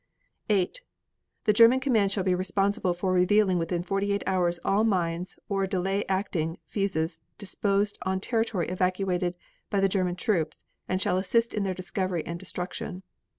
8. The German command shall be responsible for revealing within forty eight hours all mines or delay acting fuses disposed on territory evacuated by the German troops and shall assist in their discovery and destruction.